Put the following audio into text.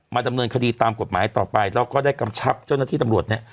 ดำเนินคดีตามกฎหมายต่อไปแล้วก็ได้กำชับเจ้าหน้าที่ตำรวจเนี่ย